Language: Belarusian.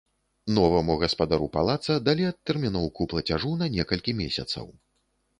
Новаму гаспадару палаца далі адтэрміноўку плацяжу на некалькі месяцаў.